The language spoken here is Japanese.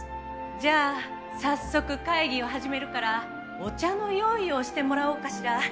じゃあ早速会議を始めるからお茶の用意をしてもらおうかしら。